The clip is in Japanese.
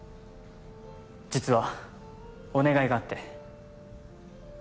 実はお願いがあって。